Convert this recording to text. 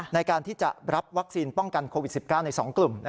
ในการที่จะรับวัคซีนป้องกันโควิด๑๙ใน๒กลุ่ม